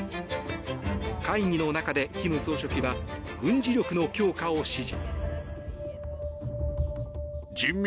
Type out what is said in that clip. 会議の中で金総書記は軍事力の強化を指示。